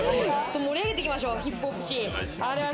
盛り上げていきましょう、ヒップホップシーン。